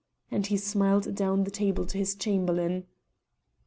and he smiled down the table to his Chamberlain.